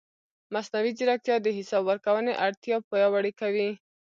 مصنوعي ځیرکتیا د حساب ورکونې اړتیا پیاوړې کوي.